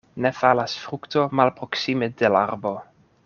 Ne falas frukto malproksime de l' arbo.